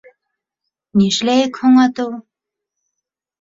— Нишләйек һуң әтеү?